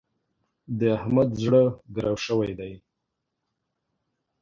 د احمد زړه ګرو شوی دی.